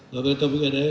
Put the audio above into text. wabarakatuh bukit gadai